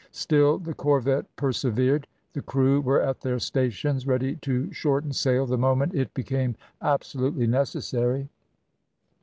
Still the corvette persevered. The crew were at their stations, ready to shorten sail the moment it became absolutely necessary.